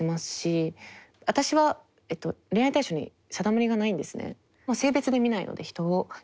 私は恋愛対象に定まりがないんですね。